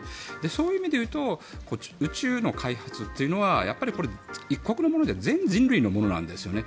そういう意味でいうと宇宙の開発というのはやっぱり、一国のものじゃなくて全人類のものなんですよね。